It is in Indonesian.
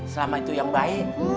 selama itu yang baik